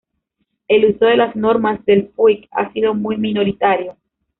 El uso de las Normas del Puig ha sido muy minoritario.